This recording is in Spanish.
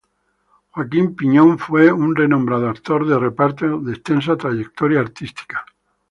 Joaquín Piñón fue un renombrado actor de reparto de extensa trayectoria artística.